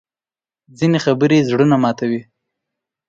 ځینې خبرې زړونه ماتوي